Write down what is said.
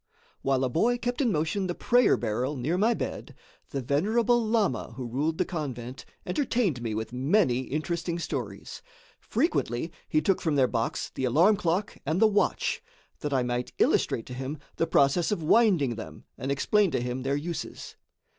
While a boy kept in motion the prayer barrel near my bed, the venerable lama who ruled the convent entertained me with many interesting stories. Frequently he took from their box the alarm clock and the watch, that I might illustrate to him the process of winding them and explain to him their uses.